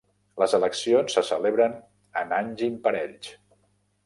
Les eleccions se celebren en anys imparells.